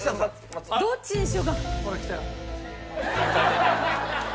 どっちにしようか。